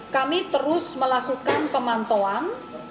kami terus melakukan pemantauan